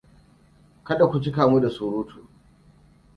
Kada ku cika mu da surutu.